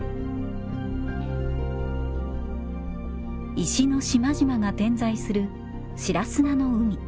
石の島々が点在する白砂の海。